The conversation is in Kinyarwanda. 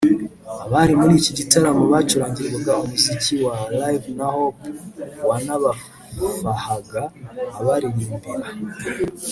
abari muri iki gitaramo bacurangirwaga umuziki wa Live na Hope wanabafahaga abaririmbira